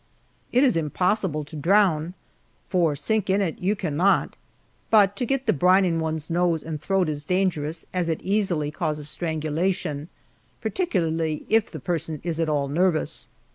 It is impossible to drown, for sink in it you cannot, but to get the brine in one's nose and throat is dangerous, as it easily causes strangulation, particularly if the person is at all nervous.